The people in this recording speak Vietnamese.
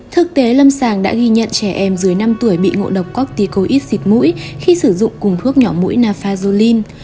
thực tế lâm sàng đã ghi nhận trẻ em dưới năm tuổi bị ngộ độc corticoid xịt mũi khi sử dụng cùng thuốc nhỏ mũi nafazulin